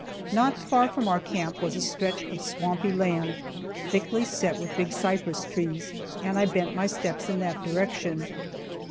Not far from our camp was a stretch of swampy land, thickly set with big cypress trees, and I bent my steps in that direction.